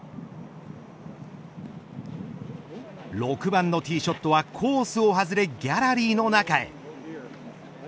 ６番のティーショットはコースを外れギャラリーの中へ。